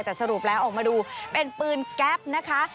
แต่สรุปแล้วออกมาดูเป็นปืนแก๊ปนะคะ